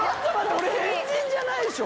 俺変人じゃないでしょ。